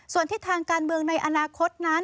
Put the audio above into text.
ส่วนทิศทางการเมืองในอนาคตนั้น